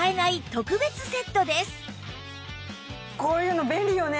こういうの便利よね。